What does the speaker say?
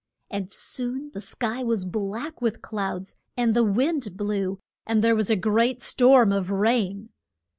And soon the sky was black with clouds, and the wind blew, and there was a great storm of rain.